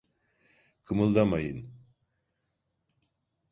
Kımıldamayın.